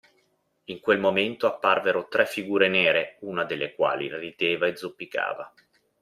In quel momento apparvero tre figure nere, una delle quali rideva e zoppicava.